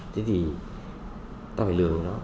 thế thì ta phải lường nó